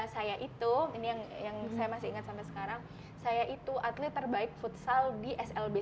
saya itu ini yang saya masih ingat sampai sekarang saya itu atlet terbaik futsal di slb